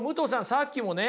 さっきもね